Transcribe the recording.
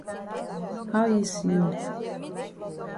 How e see you?